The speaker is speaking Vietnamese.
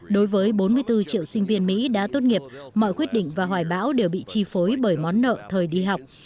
đối với bốn mươi bốn triệu sinh viên mỹ đã tốt nghiệp mọi quyết định và hoài bão đều bị chi phối bởi món nợ thời đi học